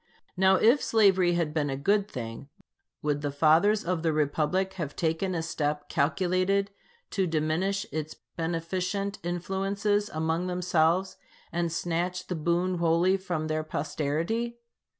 Now if slavery had been a good thing, would the fathers of the republic have taken a step calculated to diminish its beneficent influences among themselves, and snatch the boon wholly from their posterity?